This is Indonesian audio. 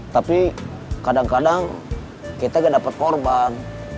tapi kadang kadang kita gak dapat korban